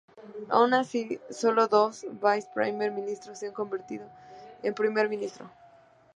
Aun así, solo dos Vice-primer ministros se han convertido en Primer ministro.